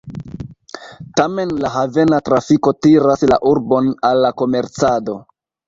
Tamen la havena trafiko tiras la urbon al la komercado.